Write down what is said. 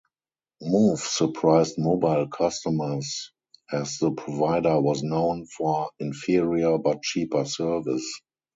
Move surprised mobile customers as the provider was known for inferior but cheaper service.